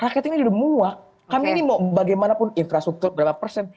kami ini mau bagaimanapun infrastruktur berapa persen